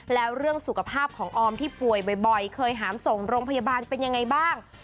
แล้วเรื่องสุขภาพของออมที่ป่วยบ่อยเคยหามส่งโรงพยาบาลเป็นยังไงบ้าง